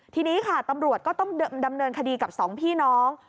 ทีนี้ค่ะตำรวจก็ต้องดำเนินคดีกับสองพี่น้อง